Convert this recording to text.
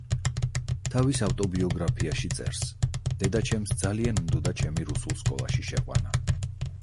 თავის ავტობიოგრაფიაში წერს: დედაჩემს ძალიან უნდოდა ჩემი რუსულ სკოლაში შეყვანა.